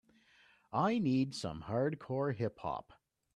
I need some Hardcore Hip Hop